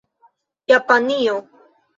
Japanio